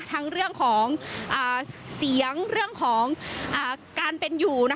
ทั้งเรื่องของเสียงเรื่องของการเป็นอยู่